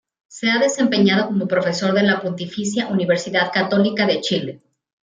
Se ha desempeñado como profesor de la Pontificia Universidad Católica de Chile.